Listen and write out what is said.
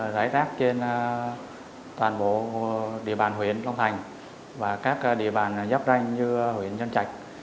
giải rác trên toàn bộ địa bàn huyện long thành và các địa bàn giáp ranh như huyện nhân trạch